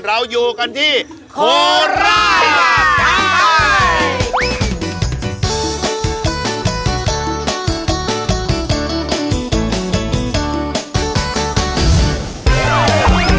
เราอยู่กันที่โคราช